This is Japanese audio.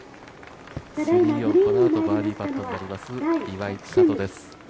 このあとバーディーパットになります岩井千怜です。